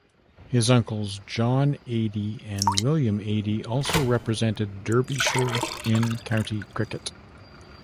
His uncles John Eadie and William Eadie also represented Derbyshire in County Cricket.